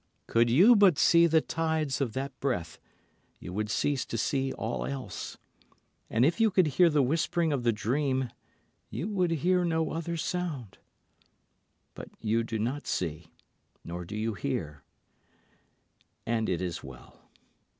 Could you but see the tides of that breath you would cease to see all else, And if you could hear the whispering of the dream you would hear no other sound. But you do not see, nor do you hear, and it is well.